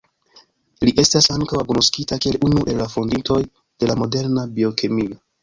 Li estas ankaŭ agnoskita kiel unu el la fondintoj de la moderna biokemio.